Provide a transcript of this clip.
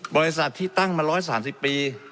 บริษัทที่ตั้งมา๑๓๐ปี